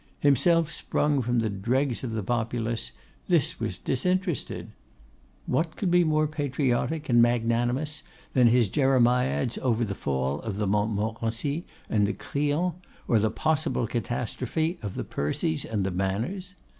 Himself sprung from the dregs of the populace, this was disinterested. What could be more patriotic and magnanimous than his Jeremiads over the fall of the Montmorencis and the Crillons, or the possible catastrophe of the Percys and the Manners!